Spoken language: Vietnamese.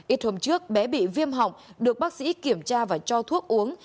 ít hôm trước bé bị viêm họng được bác sĩ kiểm tra và cho thuốc uống